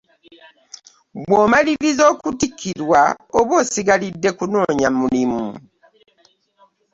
Bw'omaliriza okutikkirwa oba osigalidde kunoonya mulimu.